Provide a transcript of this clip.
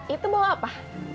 itu bawa apa